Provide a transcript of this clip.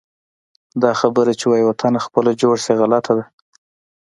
دا خبره چې وایي: وطنه خپله جوړ شي، غلطه ده.